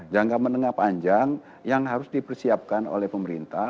jangka menengah panjang yang harus dipersiapkan oleh pemerintah